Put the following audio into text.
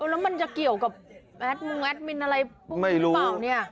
แล้วมันจะเกี่ยวกับแอดมินอะไรหรือเปล่าเนี่ย